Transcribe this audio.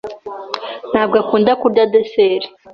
ntabwo akunda kurya desert.